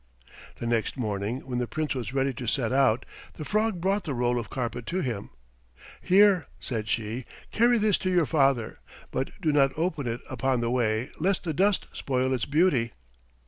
The next morning when the Prince was ready to set out, the frog brought the roll of carpet to him. "Here," said she; "carry this to your father, but do not open it upon the way lest the dust spoil its beauty."